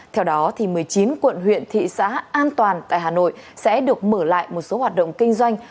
theo đó một mươi chín quận huyện thị xã an toàn tại hà nội sẽ được mở lại một số hoạt động kinh doanh